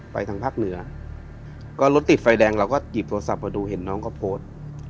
ทางภาคเหนือก็รถติดไฟแดงเราก็หยิบโทรศัพท์มาดูเห็นน้องเขาโพสต์